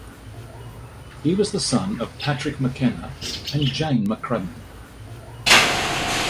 He was the son of Patrick McKenna and Jane McCrudden.